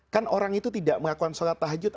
kan orang itu tidak melakukan sholat tahajud